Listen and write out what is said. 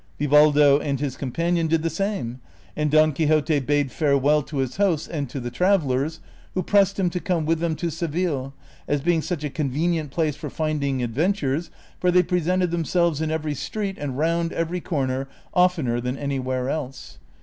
Vivaldo and his companion did the same ; and Don Quixote Ijade farewell to his hosts and to the travellers, who pressed him to come with them to Seville, as being such a convenient place for finding adventures, for they presented themselves in every street and round every cor ner oftener than anywhere else.